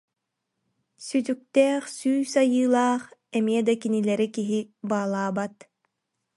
Сүтүктээх сүүс айыылаах, эмиэ да кинилэри киһи баалаабат